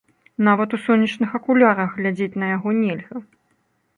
Нават у сонечных акулярах глядзець на яго нельга.